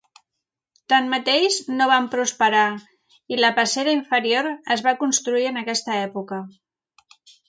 Tanmateix, no van prosperar i la passera inferior es va construir en aquesta època.